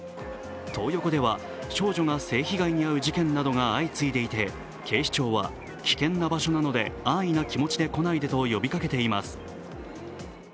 トー横では少女が性被害に遭う事件などが相次いでいて、警視庁は、危険な場所なので安易な気持ちで来ないでと呼びかけています。